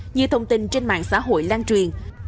như thông tin trên mạng xã hội lan truyền